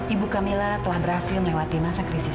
ibu camilla telah berhasil melewati masa krisis